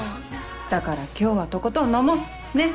だから今日はとことん飲もうねっ。